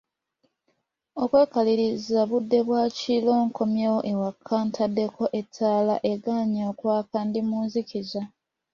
Okwekaliriza budde bwa kiro, nkomyewo ewaka, ntaddeko ettaala, egaanye okwaka, ndi mu nzikiza!